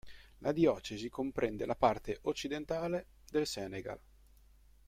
La diocesi comprende la parte occidentale del Senegal.